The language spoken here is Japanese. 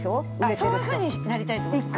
◆そういうふうになりたいってことか。